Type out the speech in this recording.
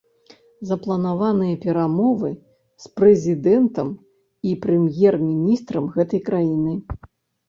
Запланаваныя перамовы з прэзідэнтам і прэм'ер-міністрам гэтай краіны.